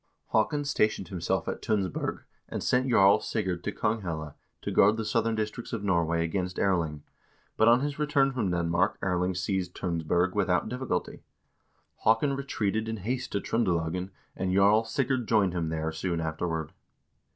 Haakon stationed himself at Tunsberg, and sent Jarl Sigurd to Konghelle to guard the southern districts of Norway against Erling, but on his return from Denmark Erling seized Tunsberg without difficulty. Haakon re treated in haste to Tr0ndelagen, and Jarl Sigurd joined him there soon afterward.